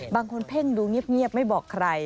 บางคนเพ่งดูเงียบไม่บอกใคร